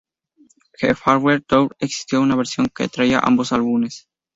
The Farewell Tour", existió una versión que traía ambos álbumes.